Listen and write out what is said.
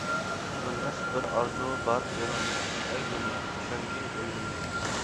ئۆلمەس بىر ئارزۇ بار ئېڭىمدا، ئەي دۇنيا، چۈشەنگىن ئويۇمنى.